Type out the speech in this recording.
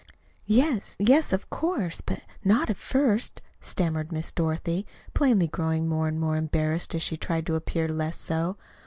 "Yes, yes, of course; but not not at first," stammered Miss Dorothy, plainly growing more and more embarrassed as she tried to appear less so.